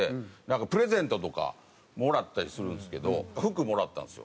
プレゼントとかもらったりするんですけど服もらったんですよ。